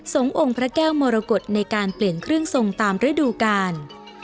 องค์พระแก้วมรกฏในการเปลี่ยนเครื่องทรงตามฤดูกาล